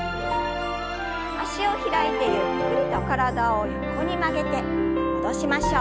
脚を開いてゆっくりと体を横に曲げて戻しましょう。